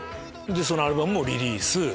そのアルバムもリリース。